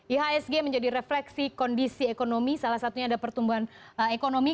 ihsg menjadi refleksi kondisi ekonomi salah satunya ada pertumbuhan ekonomi